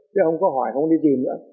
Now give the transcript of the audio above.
chứ không có hỏi không đi tìm nữa